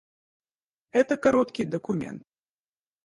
Это короткий документ.